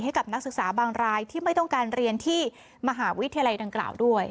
ให้กับนักศึกษาบางรายที่ไม่ต้องการเรียนที่มหาวิทยาลัยดังกล่าวด้วย